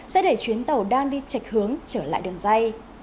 sẽ để chuyến tàu đang đi chạch hướng trở lại đường dây